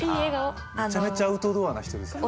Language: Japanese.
めちゃめちゃアウトドアな人ですね。